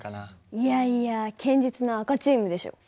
いやいや堅実の赤チームでしょ。